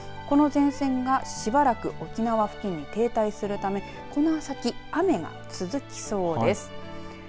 この前線が、しばらく沖縄付近に停滞するためこの先、雨が続きそうです。